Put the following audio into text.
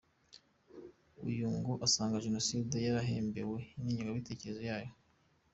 Uyu ngo asanga Jenoside yarahemberewe, n’ingengabitekerezo yayo.